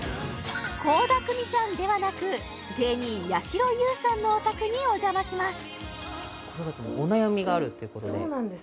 倖田來未さんではなく芸人やしろ優さんのお宅にお邪魔しますそうなんです